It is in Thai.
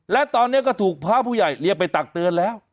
และตอนนี้ก็ถูกพระผู้ใหญ่เรียกไปตักเตือนแล้ว